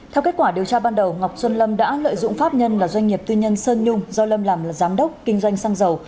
theo kết quả điều tra ban đầu ngọc xuân lâm đã lợi dụng pháp nhân là doanh nghiệp tư nhân sơn nhung do lâm làm là giám đốc kinh doanh xăng dầu